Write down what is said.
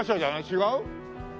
違う？